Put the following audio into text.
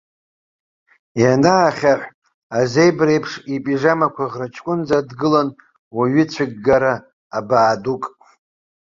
Ианаахьаҳә, азебра еиԥш ипижамақәа ӷраҷкәынӡа дгылан уаҩыцәыггара абаа дук.